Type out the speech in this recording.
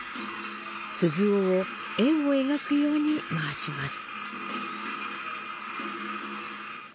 鈴緒を円を描くように回します。